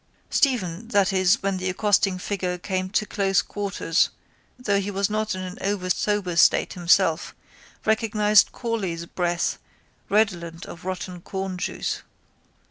Stephen, that is when the accosting figure came to close quarters, though he was not in an over sober state himself recognised Corley's breath redolent of rotten cornjuice.